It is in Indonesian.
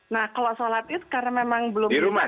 nah kalau shalat itu karena memang belum bisa di rumah